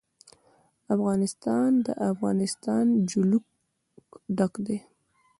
افغانستان له د افغانستان جلکو ډک دی.